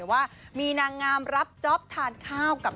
ว่ามีนางงามรับจ๊อปทานข้าวกับ